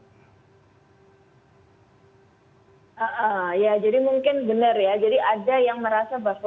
ya jadi mungkin benar ya